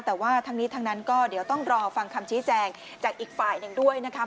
แต่ว่าทั้งนี้ทั้งนั้นก็เดี๋ยวต้องรอฟังคำชี้แจงจากอีกฝ่ายหนึ่งด้วยนะครับ